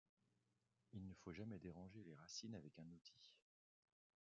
Il ne faut jamais déranger les racines avec un outil.